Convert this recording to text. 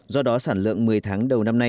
do đó sản lượng một mươi tháng đầu năm nay